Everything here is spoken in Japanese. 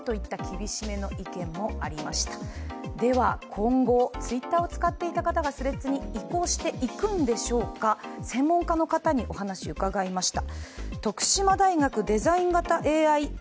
今後、Ｔｗｉｔｔｅｒを使っていた方がＴｈｒｅａｄｓに移行するんでしょうか、専門家の方にお話伺いました。